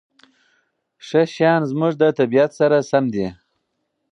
ښه شیان زموږ د طبیعت سره سم دي.